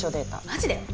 マジで？